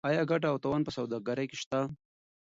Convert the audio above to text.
آیا ګټه او تاوان په سوداګرۍ کې شته؟